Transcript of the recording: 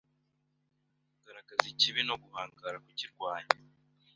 kugaragaza ikibi no guhangara kukirwanya